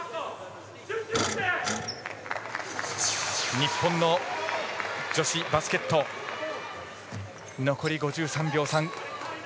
日本の女子バスケット残り５３秒３。